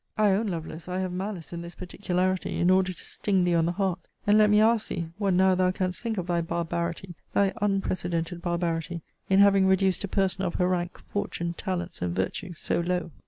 I own, Lovelace, I have malice in this particularity, in order to sting thee on the heart. And, let me ask thee, what now thou can'st think of thy barbarity, thy unprecedented barbarity, in having reduced a person of her rank, fortune, talents, and virtue, so low?